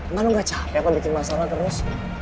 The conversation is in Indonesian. emang lu gak capek apa bikin masalah terus